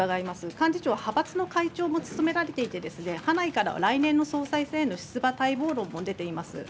幹事長、派閥の会長も務められていてですね、派内からは来年の総裁選挙への出馬待望論も出ています。